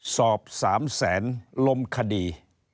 สอบ๓แสนลมคดี